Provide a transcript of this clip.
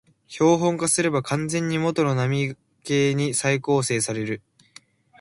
標本化すれば完全に元の波形に再構成される